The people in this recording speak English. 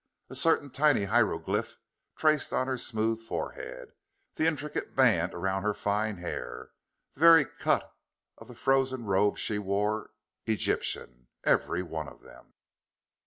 A certain tiny hieroglyph traced on her smooth forehead the intricate band around her fine hair the very cut of the frozen robe she wore Egyptian every one of them!